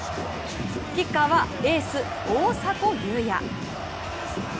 キッカーはエース・大迫勇也。